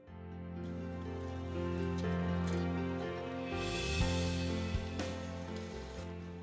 pemulung yang dikumpulkan hanya berapa kilo